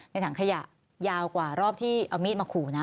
ถังขยะยาวกว่ารอบที่เอามีดมาขู่นะ